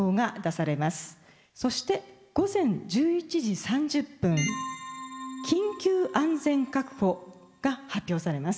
そして午前１１時３０分緊急安全確保が発表されます。